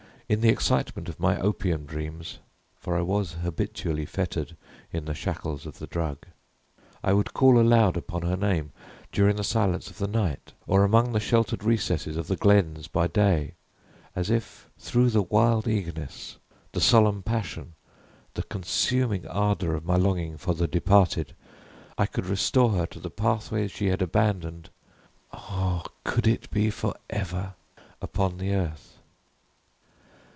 In the excitement of my opium dreams (for I was habitually fettered in the shackles of the drug), I would call aloud upon her name, during the silence of the night, or among the sheltered recesses of the glens by day, as if, through the wild eagerness, the solemn passion, the consuming ardor of my longing for the departed, I could restore her to the pathways she had abandoned ah, could it be forever? upon the earth.